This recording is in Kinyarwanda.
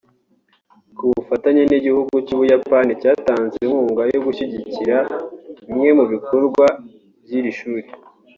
ku bufatanye n’igihugu cy’Ubuyapani cyatanze inkurnga yo gushyigikira bimwe mu bikorwa by’iri shuri